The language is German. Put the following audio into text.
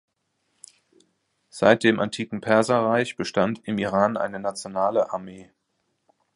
Seit dem antiken Perserreich bestand im Iran eine nationale Armee.